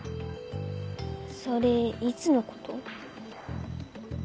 それいつのこと？